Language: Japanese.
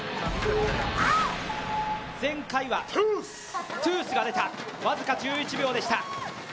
前回は、トゥースが出た僅か１１秒でした。